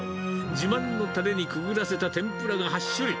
自慢のたれにくぐらせた天ぷらが８種類。